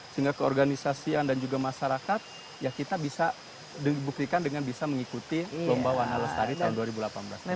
sehingga keorganisasian dan juga masyarakat ya kita bisa dibuktikan dengan bisa mengikuti lomba wana lestari tahun dua ribu delapan belas nanti